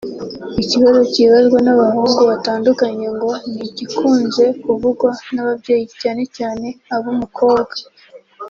Ikibazo kibazwa n’abahungu batandukanye ngo ni ibikunze kuvugwa n’ababyeyi cyane cyane ab’umukobwa